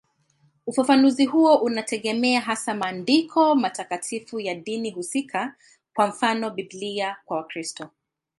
Ufafanuzi huo unategemea hasa maandiko matakatifu ya dini husika, kwa mfano Biblia kwa Wakristo.